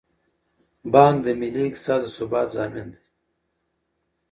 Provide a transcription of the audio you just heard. بانک د ملي اقتصاد د ثبات ضامن دی.